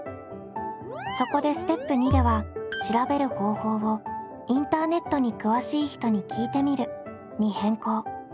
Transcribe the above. そこでステップ２では調べる方法を「インターネットに詳しい人に聞いてみる」に変更。